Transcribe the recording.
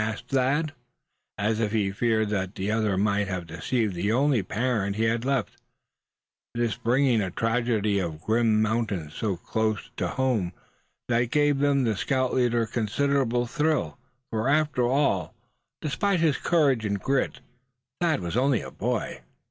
asked Thad, suspiciously, as if he feared that the other might have deceived the only parent he had left; this bringing a tragedy of the grim mountains so close home to them had given the scout leader considerable of a thrill, for after all, despite his courage and grit, Thad was only a boy.